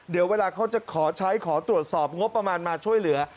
เดี๋ยวเวลาเขาจะขอใช้ขอตรวจสอบงบประมาณมาช่วยเหลือ